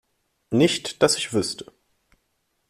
Nicht dass ich wüsste.